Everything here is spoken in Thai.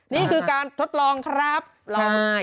นี่คือการทดลองครับลอง